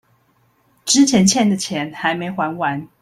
之前欠的錢還沒還完